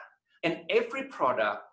dan setiap produk